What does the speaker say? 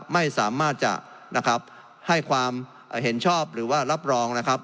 ไม่สามารถจะให้ความเห็นชอบหรือว่ารับรองนะครับ